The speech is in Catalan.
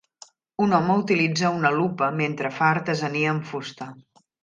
Un home utilitza una lupa mentre fa artesania amb fusta.